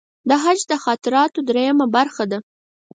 د حج خاطراتو درېیمه برخه ده.